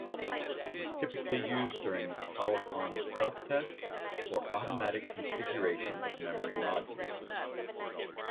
It is typically used during the power-on self-test for automatic configuration of memory modules.